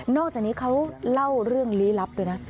อกจากนี้เขาเล่าเรื่องลี้ลับด้วยนะ